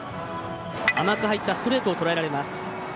甘く入ったストレートをとらえられます。